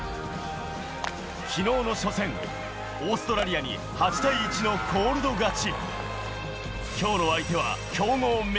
昨日の初戦、オーストラリアに８対１のコールド勝ち。